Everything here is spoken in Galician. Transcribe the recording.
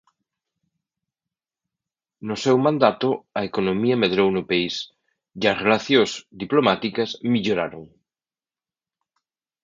No seu mandato a economía medrou no país e as relacións diplomáticas melloraron.